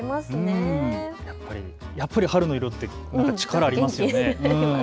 やっぱり春の色って力、ありますよね。